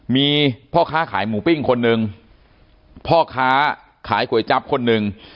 มีพ่อค้าขายหมูปิ้งคนหนึ่งพ่อค้าขายก๋วยจับคนหนึ่ง